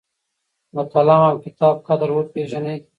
د قلم او کتاب قدر وپېژنئ.